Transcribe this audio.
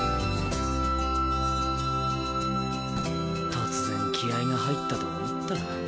突然気合が入ったと思ったら。